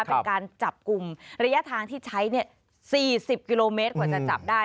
เป็นการจับกลุ่มระยะทางที่ใช้๔๐กิโลเมตรกว่าจะจับได้